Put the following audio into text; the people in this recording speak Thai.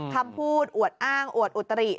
คำพูดอวดอ้างอวดอุตริ